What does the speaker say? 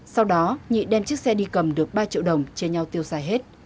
sau đó nhị đem chiếc xe đi cầm được ba triệu đồng chia nhau tiêu xài hết